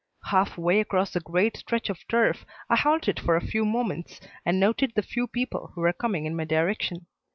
Half way across the great stretch of turf, I halted for a few moments and noted the few people who were coming in my direction.